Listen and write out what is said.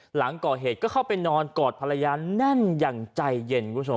หลังก่อเหตุก็เข้าไปนอนกอดภรรยานั่นอย่างใจเย็น